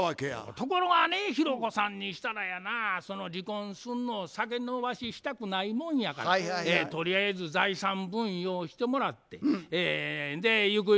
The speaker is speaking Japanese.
ところがね弘子さんにしたらやなその離婚すんのを先延ばししたくないもんやからとりあえず財産分与をしてもらってゆくゆくもらう退職金